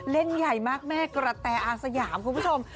เล่นใหญ่มากแม่กระแตอาสยามคุณผู้ชม